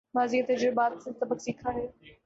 ماضی کے تجربات سے سبق سیکھا ہے